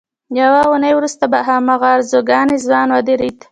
یوه اونۍ وروسته بیا هماغه ارزګانی ځوان ودرېد.